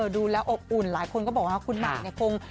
ดูแล้วอบอุ่นหลายคนก็บอกว่าคุณหมากเนี่ยคง